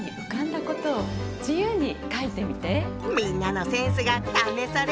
みんなのセンスが試されるねぇ。